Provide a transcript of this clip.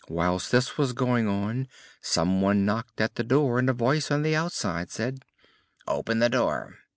Whilst this was going on some one knocked at the door and a voice on the outside said: "Open the door!